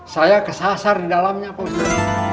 saya kesasar di dalamnya pak ustadz